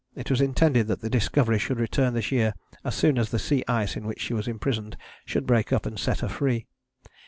It was intended that the Discovery should return this year as soon as the sea ice in which she was imprisoned should break up and set her free.